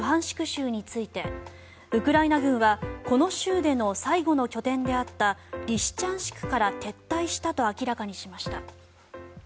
州についてウクライナ軍はこの州での最後の拠点であったリシチャンシクから撤退したと明らかにしました。